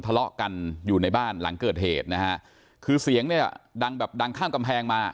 ทะเลาะกันอยู่ในบ้านหลังเกิดเหตุนะฮะคือเสียงเนี่ยดังแบบดังข้ามกำแพงมา